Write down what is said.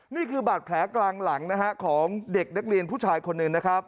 นี่คือบาดแผลกลางหลังของเด็กนักเรียนผู้ชายคนหนึ่ง